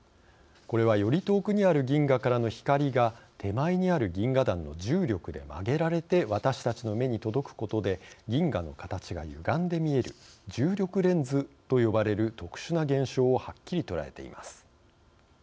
これはより遠くにある銀河からの光が手前にある銀河団の重力で曲げられて私たちの目に届くことで銀河の形がゆがんで見える重力レンズと呼ばれる特殊な現象をはっきり捉えています。